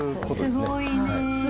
すごい！